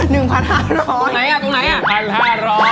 ไหนอ่ะตรงไหนอ่ะ